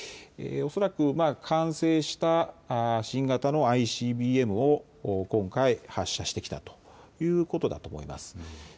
恐らく完成した新型のＩＣＢＭを今回、発射してきたということだと思います。